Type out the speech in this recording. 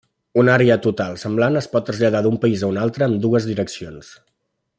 Una àrea total semblant es pot traslladar d'un país a un altre en ambdues direccions.